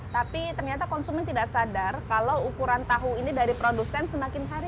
tapi ternyata konsumen tidak sadar kalau ukuran tahu ini dari produsen semakin hari